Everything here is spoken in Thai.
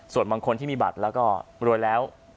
ส่วนบางคนที่มีบัตรแล้วก็รวยแล้ว